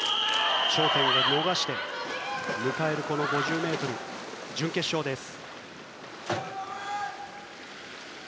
頂点を逃して迎えるこの５０ｍ準決勝です。